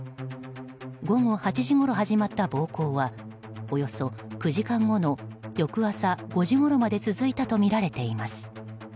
午後８時ごろ始まった暴行はおよそ９時間後の翌朝５時ごろまで続いたとみられています。